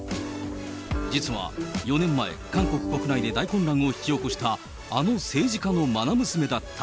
実は４年前、韓国国内で大混乱を引き起こした、あの政治家のまな娘だった。